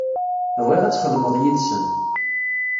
Bɣiɣ ad txedmeḍ yid-sen.